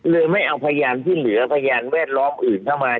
ไม่เอาพยานที่เหลือพยานแวดล้อมอื่นเข้ามา